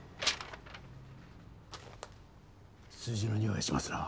数字のにおいがしますな。